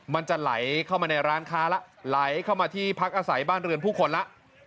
มันจะไหลเข้ามาในร้านค้าแล้วไหลเข้ามาที่พักอาศัยบ้านเรือนผู้คนแล้ว